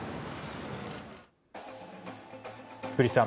福西さん。